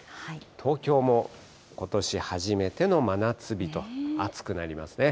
東京もことし初めての真夏日と、暑くなりますね。